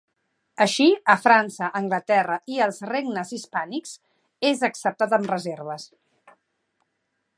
Així, a França, Anglaterra i als regnes hispànics, és acceptat amb reserves.